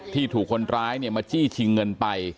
ที่ถูกคนร้ายเนี่ยมาจี้ชิงเงินไป